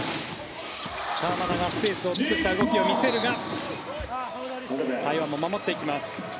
川真田がスペースを作った動きを見せるが台湾、守っていきます。